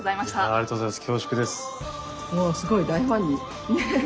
ありがとうございます。